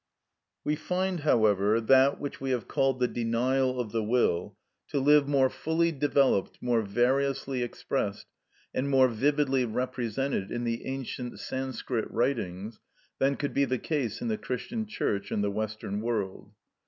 We find, however, that which we have called the denial of the will to live more fully developed, more variously expressed, and more vividly represented in the ancient Sanscrit writings than could be the case in the Christian Church and the Western world.